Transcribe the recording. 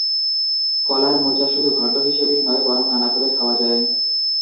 কলার মোচা শুধু ঘণ্ট হিসেবেই নয় বরং নানাভাবে খাওয়া যায়।